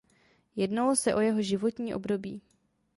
Jednalo se o jeho životní období.